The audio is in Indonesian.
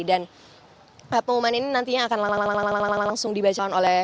dan pengumuman ini nantinya akan langsung dibaca oleh